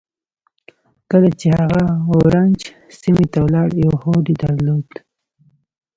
کله چې هغه اورنج سيمې ته ولاړ يو هوډ يې درلود.